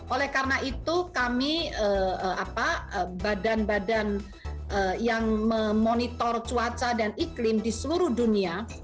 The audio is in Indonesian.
oleh karena itu kami badan badan yang memonitor cuaca dan iklim di seluruh dunia